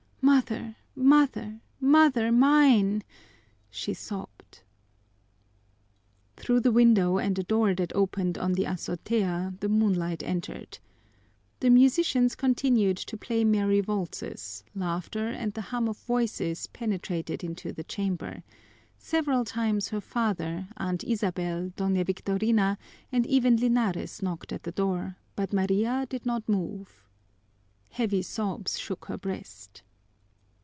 "Mother, mother, mother mine!" she sobbed. Through the window and a door that opened on the azotea the moonlight entered. The musicians continued to play merry waltzes, laughter and the hum of voices penetrated into the chamber, several times her father, Aunt Isabel, Doña Victorina, and even Linares knocked at the door, but Maria did not move. Heavy sobs shook her breast.